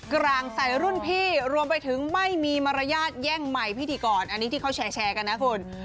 กลางใส่รุ่นพี่รวมไปถึงไม่มีมารยาทแย่งใหม่พิธีกรอันนี้ที่เขาแชร์กันนะคุณ